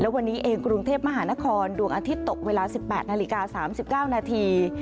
วันนี้เองกรุงเทพมหานครดวงอาทิตย์ตกเวลา๑๘นาฬิกา๓๙นาที